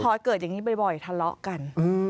พอเกิดอย่างนี้บ่อยทะเลาะกัน